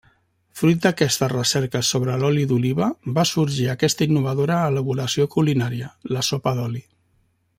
Fruit d'aquestes recerques sobre l'oli d'oliva, va sorgir aquesta innovadora elaboració culinària: la sopa d'oli.